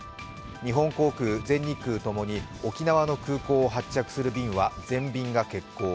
日本航空・全日空ともに沖縄の空港を発着する便は全便欠航。